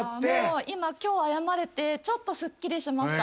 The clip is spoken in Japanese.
今今日謝れてちょっとすっきりしました。